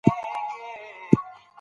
اوسپنه کمښت لرونکي خلک باید احتیاط وکړي.